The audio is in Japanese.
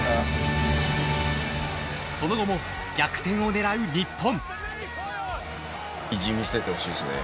その後も、逆転をねらう日本。